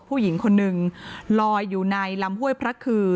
ผู้หญิงคนนึงลอยอยู่ในลำห้วยพระคือ